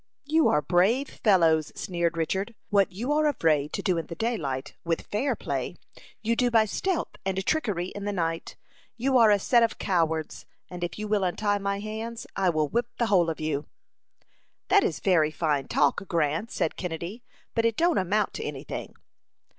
"You are brave fellows!" sneered Richard. "What you are afraid to do in the daylight, with fair play, you do by stealth and trickery in the night. You are a set of cowards, and if you will untie my hands I will whip the whole of you." "That is very fine talk, Grant," said Kennedy, "but it don't amount to any thing."